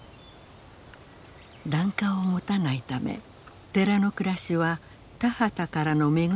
檀家を持たないため寺の暮らしは田畑からの恵みに頼る自給自足。